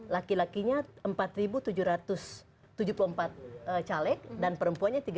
laki lakinya empat tujuh ratus tujuh puluh empat caleg dan perempuannya tiga satu ratus sembilan puluh empat